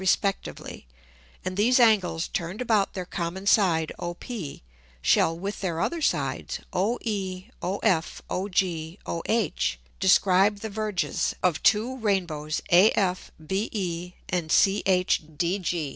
respectively, and these Angles turned about their common Side OP, shall with their other Sides OE, OF; OG, OH, describe the Verges of two Rain bows AF, BE and CHDG.